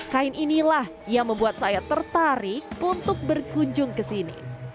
kain inilah yang membuat saya tertarik untuk berkunjung ke sini